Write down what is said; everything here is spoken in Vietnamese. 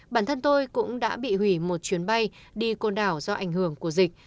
bản thân tôi cũng đã bị hủy một chuyến bay đi côn đảo do ảnh hưởng của dịch